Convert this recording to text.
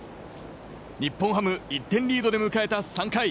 日本ハム１点リードで迎えた３回。